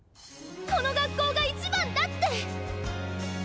この学校が一番だって！